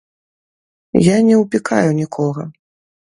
Я не ўпікаю нікога.